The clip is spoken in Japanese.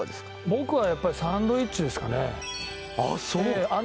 僕はやっぱりサンドイッチですかねああ